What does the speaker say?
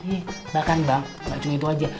eh bahkan bang gak cuma itu aja